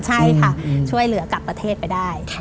ใช่ค่ะช่วยเหลือกลับประเทศไปได้